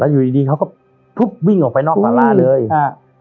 อยู่ดีดีเขาก็ทุบวิ่งออกไปนอกสาราเลยอ่า